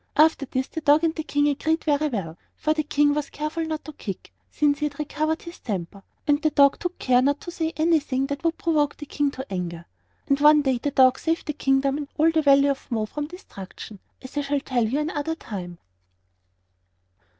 After this the dog and the King agreed very well; for the King was careful not to kick, since he had recovered his temper, and the dog took care not to say anything that would provoke the King to anger. And one day the dog saved the Kingdom and all the Valley of Mo from destruction, as I shall tell you another time.